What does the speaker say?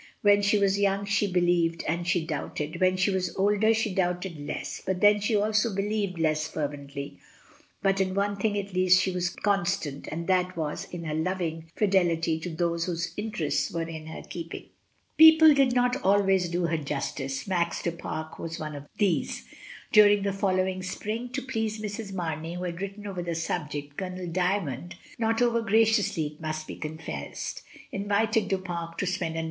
When she was young she believed and she doubted; when she was older she doubted less, but then she also believed less fervently; but in one thing at least she was constant, and that was in her loving fidelity to those whose interests were in her keeping. People did not always do her justice. Max du Pare was one of these. During the following spring, to please Mrs. Marney, who had written over on the subject, Colonel Dymond (not over graciously it must be confessed) invited Du Pare to spend a Mrs, Dymond.